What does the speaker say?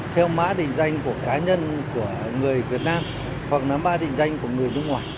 theo mã định danh của cá nhân của người việt nam hoặc là mã định danh của người nước ngoài